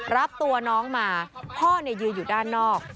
รับตัวน้องมาพ่อยืนอยู่ด้านนอก